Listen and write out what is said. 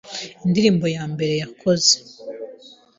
Indirimbo ya mbere yakoze